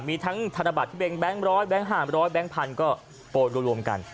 มีทั้งธนบัตรที่เป็นแบงค์ร้อยแบงค์หาวร้อยแบงค์พันธุ์ก็โปรดรวมรวมกัน